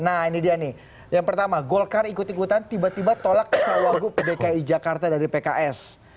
nah ini dia nih yang pertama golkar ikut ikutan tiba tiba tolak cawagup dki jakarta dari pks